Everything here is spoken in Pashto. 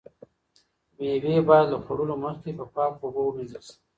مېوې باید له خوړلو مخکې په پاکو اوبو ومینځل شي.